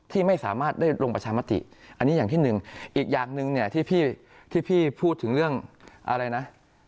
ที่ไม่สามารถได้ลงประชามติอันนี้อย่างที่หนึ่งอีกอย่างหนึ่งเนี่ยที่พี่พูดถึงเรื่องอะไรนะ